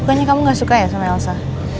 pokoknya kamu gak suka ya sama elsa